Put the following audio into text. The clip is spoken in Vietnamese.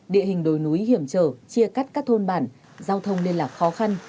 địa hình đồi núi hiểm trở chia cắt các thôn bản giao thông liên lạc khó khăn